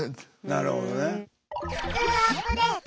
なるほどね。